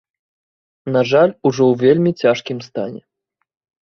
На жаль, ужо ў вельмі цяжкім стане.